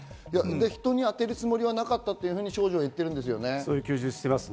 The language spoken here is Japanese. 人に当てるつもりはなかったと少女は言ってるんですよね。